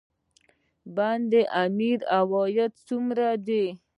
د بند امیر عاید څومره دی؟